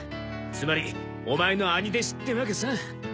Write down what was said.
つまりオマエの兄弟子ってわけさ。